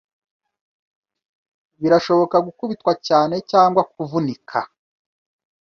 birashoboka gukubitwa cyane cyangwa kuvunika